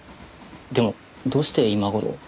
でもどうして今頃？